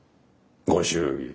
ご祝儀。